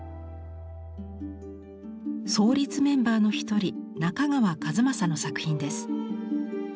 創立メンバーの一人中川一政の作品です。